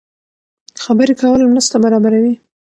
خبرې کول مرسته برابروي.